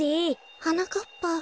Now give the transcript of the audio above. はなかっぱ。